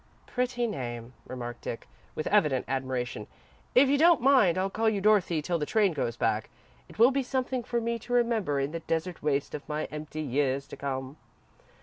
"Pretty name," remarked Dick, with evident admiration. "If you don't mind, I'll call you 'Dorothy' till the train goes back. It will be something for me to remember in the desert waste of my empty years to come."